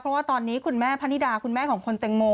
เพราะว่าตอนนี้คุณแม่พะนิดาคุณแม่ของคุณแตงโม